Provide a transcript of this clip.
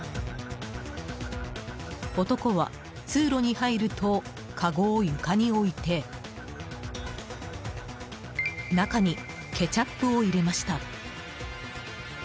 男は通路に入るとかごを床に置いて中にケチャップを入れました。